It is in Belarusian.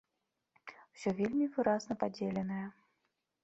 Усё вельмі выразна падзеленае.